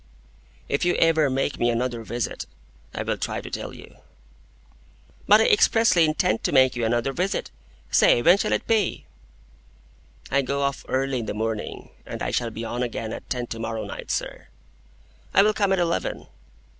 If ever you make me another visit, I will try to tell you." "But I expressly intend to make you another visit. Say, when shall it be?" "I go off early in the morning, and I shall be on again at ten to morrow night, sir." "I will come at eleven."